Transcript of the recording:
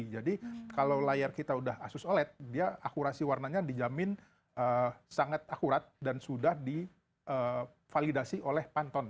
jadi kalau layar kita sudah asus oled dia akurasi warnanya dijamin sangat akurat dan sudah di validasi oleh pantone